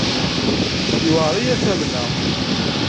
Yuɛer-iyi ad t-amneɣ.